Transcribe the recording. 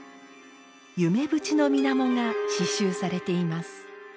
夢淵のみなもが刺しゅうされています。